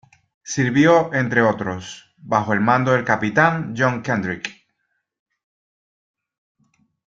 Sirvió entre otros, bajo el mando del capitán John Kendrick.